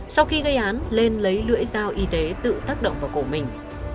sau khi gây án lên lấy lưỡi dao y tế tự tác động vào cổ mình